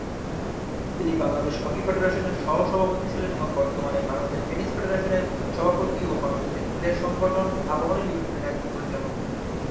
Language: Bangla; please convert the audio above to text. তিনি বাংলাদেশ হকি ফেডারেশনের সহ-সভাপতি ছিলেন এবং বর্তমানে বাংলাদেশ টেনিস ফেডারেশনের সভাপতি ও বাংলাদেশের ক্রীড়া সংগঠন আবাহনী লিমিটেডের একজন পরিচালক।